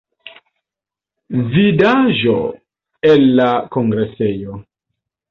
Vidaĵo el la kongresejo.